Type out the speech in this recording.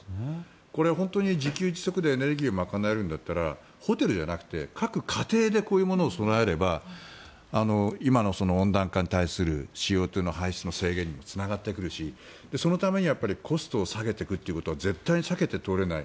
これ、本当に自給自足でエネルギーを賄えるんだったらホテルじゃなくて各家庭でこういうものを備えれば今の温暖化に対するＣＯ２の排出の制限にもつながってくるしそのためにはコストを下げていくってことは絶対に避けて通れない。